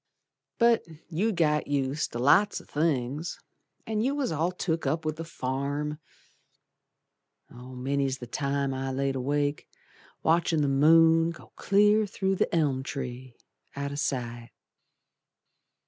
But you'd got used ter lots o' things, An' you was all took up with the farm. Many's the time I've laid awake Watchin' the moon go clear through the elm tree, Out o' sight.